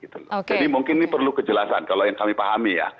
jadi mungkin ini perlu kejelasan kalau yang kami pahami ya